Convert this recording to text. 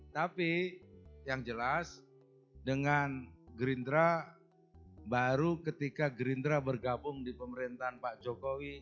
tapi yang jelas dengan gerindra baru ketika gerindra bergabung di pemerintahan pak jokowi